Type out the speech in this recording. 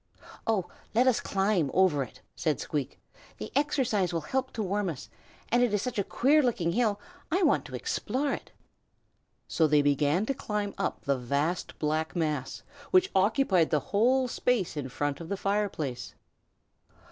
"Oh, let us climb over it!" said Squeak. "The exercise will help to warm us; and it is such a queer looking hill, I want to explore it." So they began to climb up the vast black mass, which occupied the whole space in front of the fireplace.